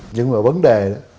nhưng mà vấn đề